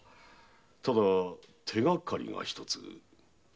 ただ手がかりがひとつ。